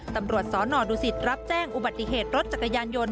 ตำรวจสนดูสิตรับแจ้งอุบัติเหตุรถจักรยานยนต์